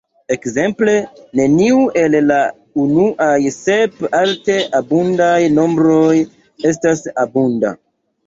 Ekzemple neniu el la unuaj sep alte abundaj nombroj estas abunda.